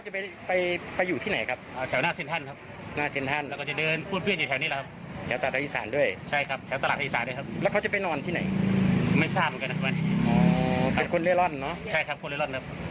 ใช่ครับคนเล่อร่อนนะครับ